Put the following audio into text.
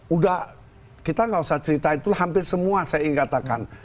udah kita gak usah cerita itu hampir semua saya ingin katakan